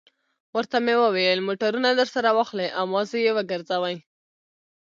ورته مې وویل: موټرونه درسره واخلئ او مازې یې وګرځوئ.